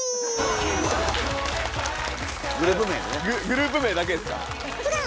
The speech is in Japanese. グループ名だけですか？